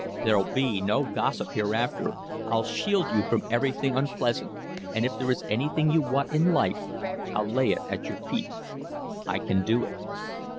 There'll be no gossip hereafter I'll shield you from everything unpleasant, and if there is anything you want in life, I'll lay it at your feet. I can do it."